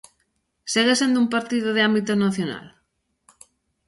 ¿Segue sendo un partido de ámbito nacional?